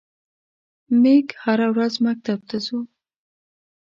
میږ هره ورځ مکتب ته څو.